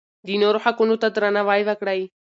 د نورو حقونو ته درناوی وکړئ.